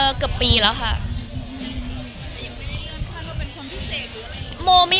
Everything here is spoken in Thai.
มันคิดว่าจะเป็นรายการหรือไม่มี